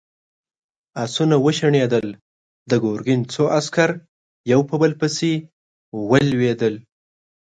آسونه وشڼېدل، د ګرګين څو عسکر يو په بل پسې ولوېدل.